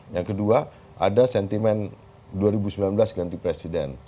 yang kedua ada sentimen dua ribu sembilan belas ganti presiden